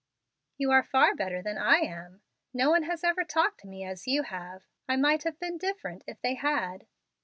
"You are far better than I am. No one has ever talked to me as you have. I might have been different if they had."